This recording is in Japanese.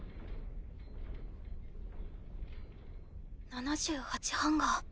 ７８ハンガー。